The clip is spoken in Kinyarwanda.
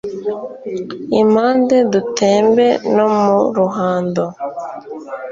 impande dutembe no mu ruhando